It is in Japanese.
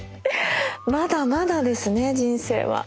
まだまだですね人生は。